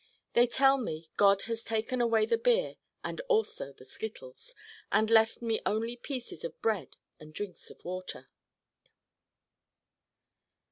They tell me God has taken away the beer and also the skittles and left me only pieces of bread and drinks of water.